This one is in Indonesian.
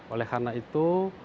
oleh karena itu